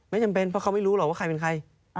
ไม่จำเป็นเพราะเขาไม่รู้หรอกว่าใครเป็นใคร